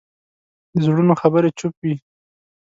د زړونو خبرې چوپ وي